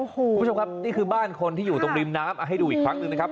คุณผู้ชมครับนี่คือบ้านคนที่อยู่ตรงริมน้ำเอาให้ดูอีกครั้งหนึ่งนะครับ